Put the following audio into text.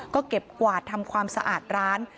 ก็เก็บกวาดทำความสะอาดร้าน